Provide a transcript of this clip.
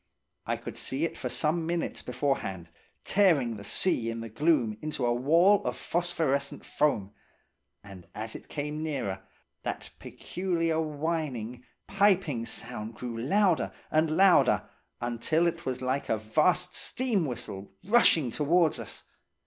I could see it for some minutes beforehand, tearing the sea in the gloom into a wall of phosphorescent foam; and as it came nearer, that peculiar whining, piping sound grew louder and louder, until it was like a vast steam whistle rushing towards us.